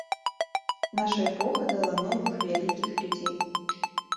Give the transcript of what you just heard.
Наша эпоха дала новых вялікіх людзей.